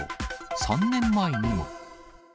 ３年前にも。